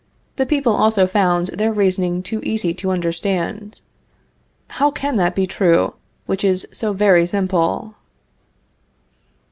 The people also found their reasoning too easy to understand. How can that be true which is so very simple?